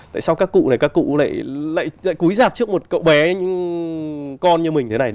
tại sao các cụ này lại cúi dạp trước một cậu bé con như mình thế này